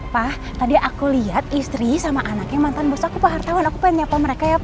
pak tadi aku lihat istri sama anaknya mantan busaku pak hartawan aku penyapa mereka ya